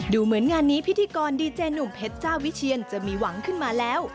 เหมือนงานนี้พิธีกรดีเจหนุ่มเพชรเจ้าวิเชียนจะมีหวังขึ้นมาแล้ว